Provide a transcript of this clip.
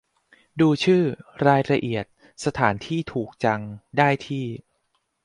ดูชื่อ รายละเอียด สถานที่ถูกจัง ได้ที่